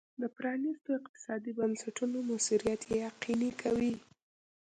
د پرانیستو اقتصادي بنسټونو موثریت یقیني کوي.